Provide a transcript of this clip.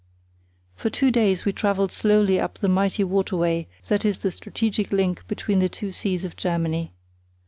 For two days we travelled slowly up the mighty waterway that is the strategic link between the two seas of Germany.